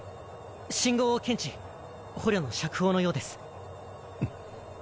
信号を検知捕虜の釈放のようです。